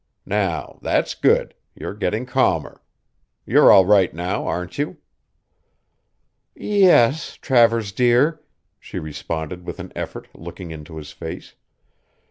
Now, that's good; you're getting calmer. You're all right now, aren't you?" "Ye es, Travers dear," she responded with an effort, looking into his face.